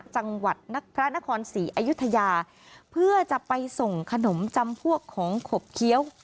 จังหวัดพระนครศรีอยุธยาเพื่อจะไปส่งขนมจำพวกของขบเคี้ยว